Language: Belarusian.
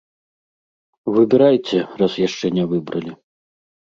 Выбірайце, раз яшчэ не выбралі.